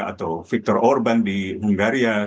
atau victor urban di hungaria